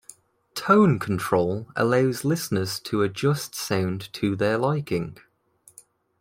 Tone control allows listeners to adjust sound to their liking.